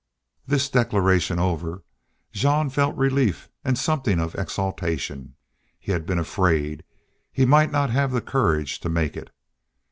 This declaration over, Jean felt relief and something of exultation. He had been afraid he might not have the courage to make it.